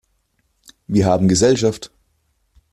Wir haben Gesellschaft!